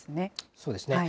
そうですね。